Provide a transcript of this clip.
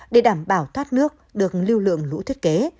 để đảm bảo thoát nước được lưu lượng lũ thiết kế